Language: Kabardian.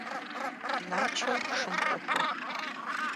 Начо шым къохуэх.